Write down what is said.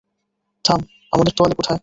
থাম, আমাদের তোয়ালে কোথায়?